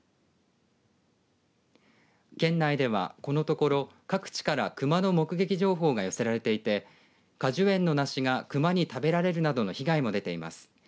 県内では、このところ各地からクマの目撃情報が寄せられていて果樹園の梨がクマに食べられるなどの被害も出ています。